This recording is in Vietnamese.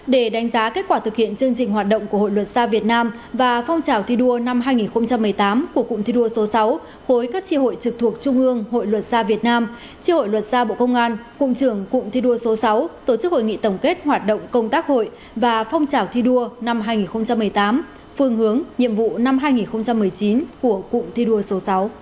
để đánh giá kết quả thực hiện chương trình hoạt động của hội luật xa việt nam và phong trào thi đua năm hai nghìn một mươi tám của cụm thi đua số sáu khối các tri hội trực thuộc trung ương hội luật xa việt nam tri hội luật xa bộ công an cụm trưởng cụm thi đua số sáu tổ chức hội nghị tổng kết hoạt động công tác hội và phong trào thi đua năm hai nghìn một mươi tám phương hướng nhiệm vụ năm hai nghìn một mươi chín của cụm thi đua số sáu